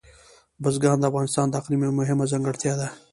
بزګان د افغانستان د اقلیم یوه مهمه ځانګړتیا ده.